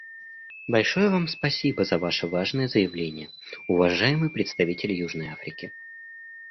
Большое Вам спасибо за Ваше важное заявление, уважаемый представитель Южной Африки.